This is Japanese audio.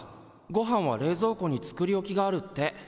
ごはんは冷蔵庫に作り置きがあるって。